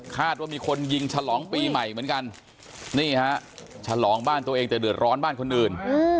ว่ามีคนยิงฉลองปีใหม่เหมือนกันนี่ฮะฉลองบ้านตัวเองแต่เดือดร้อนบ้านคนอื่น